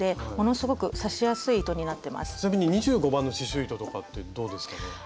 ちなみに２５番の刺しゅう糸とかってどうですかね？